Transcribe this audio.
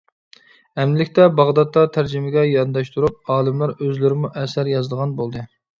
ئەمدىلىكتە باغدادتا تەرجىمىگە يانداشتۇرۇپ، ئالىملار ئۆزلىرىمۇ ئەسەر يازىدىغان بولدى.